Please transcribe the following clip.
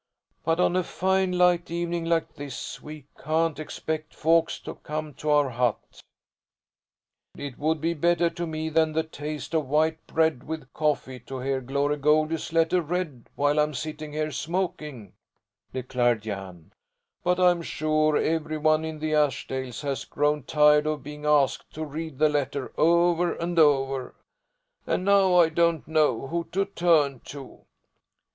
"But on a fine light evening like this we can't expect folks to come to our hut." "It would be better to me than the taste of white bread with coffee to hear Glory Goldie's letter read while I'm sitting here smoking," declared Jan, "but I'm sure every one in the Ashdales has grown tired of being asked to read the letter over and over, and now I don't know who to turn to."